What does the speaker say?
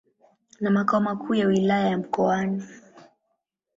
na makao makuu ya Wilaya ya Mkoani.